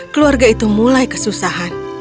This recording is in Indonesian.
keluarga itu mulai kesusahan